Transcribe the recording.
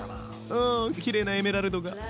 うんきれいなエメラルドが。